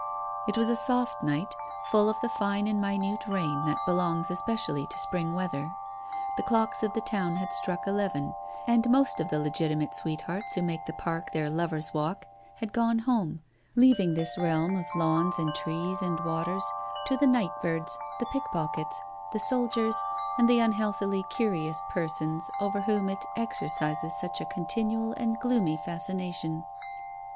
It was a soft night, full of the fine and minute rain that belongs especially to spring weather. The clocks of the town had struck eleven, and most of the legitimate sweethearts who make the Park their lover's walk had gone home, leaving this realm of lawns and trees and waters to the night birds, the pickpockets, the soldiers, and the unhealthily curious persons over whom it exercises such a continual and gloomy fascination.